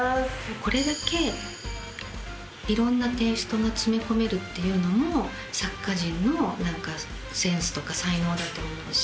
これだけいろんなテイストが詰め込めるっていうのも作家陣のセンスとか才能だと思うし。